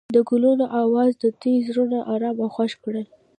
د ګلونه اواز د دوی زړونه ارامه او خوښ کړل.